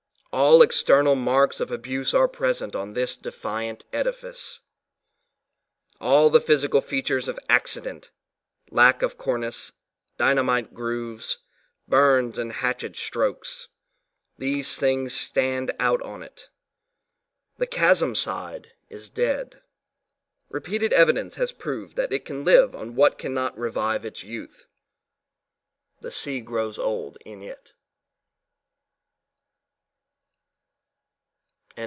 All external marks of abuse are present on this defiant edifice all the physical features of ac cident lack of cornice, dynamite grooves, burns and hatchet strokes, these things stand out on it; the chasm side is dead. Repeated evidence has proved that it can live on what cannot revive its youth. The sea grows old in it.